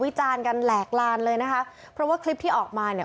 จานกันแหลกลานเลยนะคะเพราะว่าคลิปที่ออกมาเนี่ย